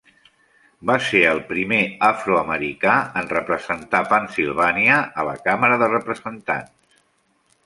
Va ser el primer afroamericà en representar Pennsilvània a la Càmera de Representants.